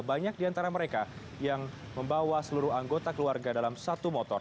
banyak di antara mereka yang membawa seluruh anggota keluarga dalam satu motor